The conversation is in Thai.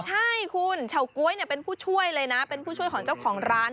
ใช่คุณเฉาก๊วยเป็นผู้ช่วยเลยนะเป็นผู้ช่วยของเจ้าของร้าน